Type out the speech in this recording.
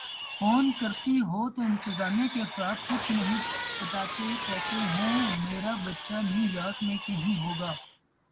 phone کرتی ہوں تو انتظامیہ کے افراد کچھ نہیں بتاتے کہتے ہیں میرا بچہ نیویارک میں کہیں ہوگا